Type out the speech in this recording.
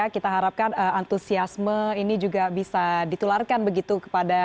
kita harapkan antusiasme ini juga bisa ditularkan begitu kepada